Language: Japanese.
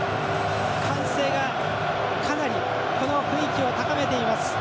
歓声がかなりこの雰囲気を高めています。